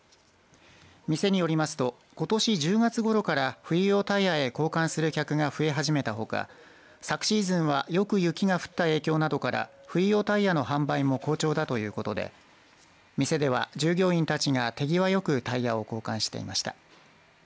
店によりますとことし１０月ごろから冬用タイヤへ交換する客が増え始めたほか昨シーズンはよく雪が降った影響などから冬用タイヤの販売も好調だということで店では従業員たちが手際よくタイヤを交換していました。